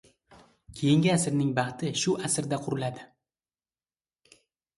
• Keyingi asrning baxti shu asrda quriladi.